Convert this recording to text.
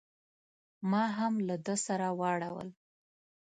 ما هم له ده سره واړول.